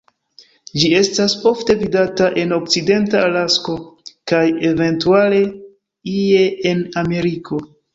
Ĝi estas ofte vidata en okcidenta Alasko kaj eventuale ie en Ameriko.